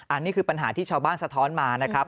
อันนี้คือปัญหาที่ชาวบ้านสะท้อนมานะครับ